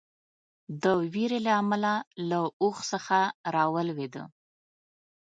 د وېرې له امله له اوښ څخه راولېده.